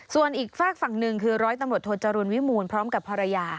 ส่วนอีกฝากฝั่งหนึ่งคือร้อยตำรวจโทจรูลวิมูลพร้อมกับภรรยา